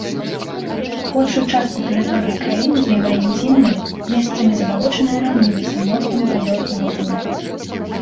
Большую частку тэрыторыі краіны займае нізінная, месцамі забалочаная раўніна са мноствам азёр і лагун.